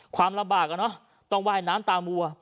ความลำบากแรงเนาะต้องไหว้น้ำตามวัว